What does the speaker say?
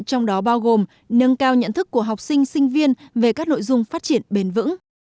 trong đó bao gồm nâng cao nhận thức của học sinh sinh viên về các nội dung phát triển bền vững